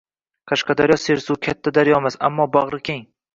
Qashqadaryo sersuv, katta daryomas, ammo bag’ri keng.